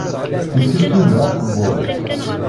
Yekkes Yuba akebbuḍ-is.